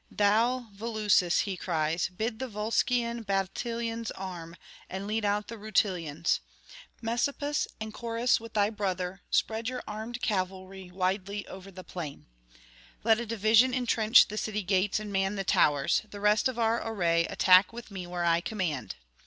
'Thou, Volusus,' he cries, 'bid the Volscian battalions arm, and lead out the Rutulians. Messapus, and Coras with thy brother, spread your armed cavalry widely over the plain. Let a division entrench the city gates and man the towers: the rest of our array attack with me where I command.'